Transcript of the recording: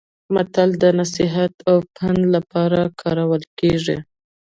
متل د نصيحت او پند لپاره کارول کیږي